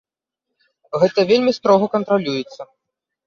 Гэта вельмі строга кантралюецца.